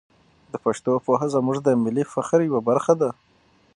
د پښتو پوهه زموږ د ملي فخر یوه برخه ده.